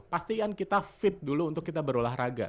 pastikan kita fit dulu untuk kita berolahraga